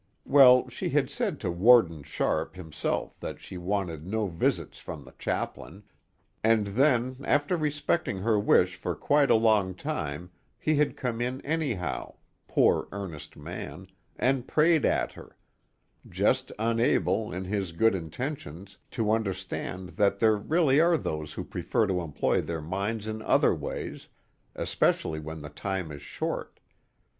Well, she had said to Warden Sharpe himself that she wanted no visits from the chaplain, and then after respecting her wish for quite a long time he had come in anyhow, poor earnest man, and prayed at her just unable, in his good intentions, to understand that there really are those who prefer to employ their minds in other ways, especially when the time is short.